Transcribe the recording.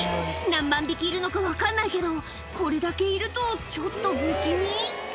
何万匹いるのか分かんないけど、これだけいると、ちょっと不気味。